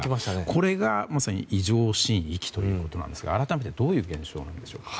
これが、まさに異常震域ということなんですが改めてどういう現象なんでしょうか。